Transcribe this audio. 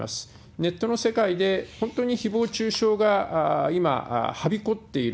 ネットの世界で本当にひぼう中傷が今、はびこっている。